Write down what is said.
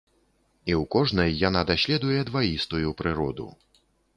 І ў кожнай яна даследуе дваістую прыроду.